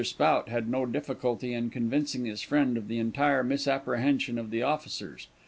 Spout had no difficulty in convincing his friend of the entire misapprehension of the officers.